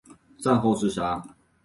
战后自杀。